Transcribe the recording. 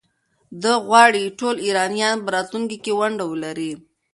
ده غواړي ټول ایرانیان په راتلونکي کې ونډه ولري.